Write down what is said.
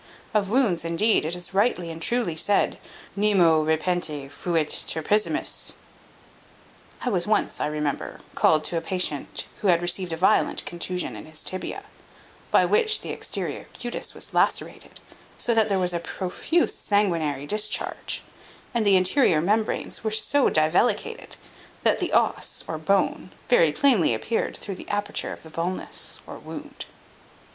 Of wounds, indeed, it is rightly and truly said, Nemo repente fuit turpissimus. I was once, I remember, called to a patient who had received a violent contusion in his tibia, by which the exterior cutis was lacerated, so that there was a profuse sanguinary discharge; and the interior membranes were so divellicated, that the os or bone very plainly appeared through the aperture of the vulnus or wound.